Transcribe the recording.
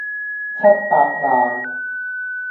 七百萬